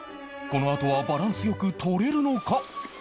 このあとはバランス良く取れるのか？